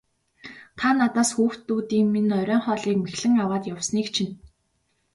Та надаас хүүхдүүдийн минь оройн хоолыг мэхлэн аваад явсныг чинь.